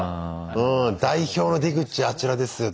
代表の「出口あちらですよ」